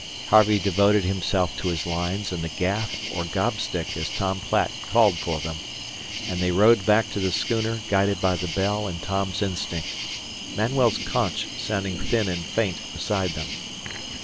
Harvey devoted himself to his lines and the gaff or gob stick as Tom Platt called for them; and they rowed back to the schooner guided by the bell and Tom's instinct; Manuel's conch sounding thin and faint beside them.